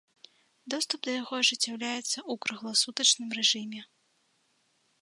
Доступ да яго ажыццяўляецца ў кругласутачным рэжыме.